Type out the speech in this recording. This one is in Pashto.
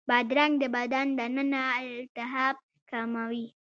بادرنګ د بدن دننه التهاب کموي.